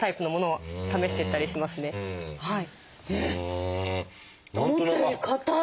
はい。